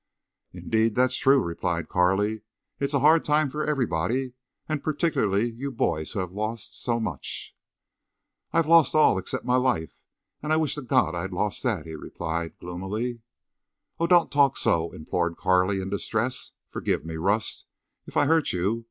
"Indeed that's true," replied Carley. "It's a hard time for everybody, and particularly you boys who have lost so—so much." "I lost all, except my life—and I wish to God I'd lost that," he replied, gloomily. "Oh, don't talk so!" implored Carley in distress. "Forgive me, Rust, if I hurt you.